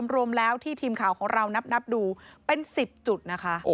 รวมแล้วที่ทีมข่าวของเรานับดูเป็น๑๐จุดนะคะ